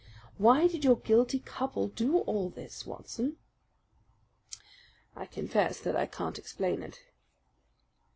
Why did your guilty couple do all this, Watson?" "I confess that I can't explain it."